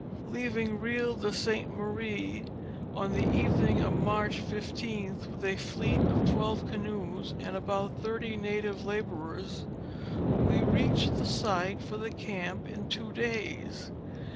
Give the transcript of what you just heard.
Leaving Real de St. Marie on the evening of March 1 5th, with a fleet of twelve canoes and about thirty native laborers, we reached the site for the camp in two days.